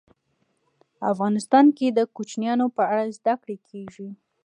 افغانستان کې د کوچیانو په اړه زده کړه کېږي.